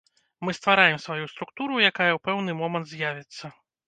Мы ствараем сваю структуру, якая ў пэўны момант з'явіцца.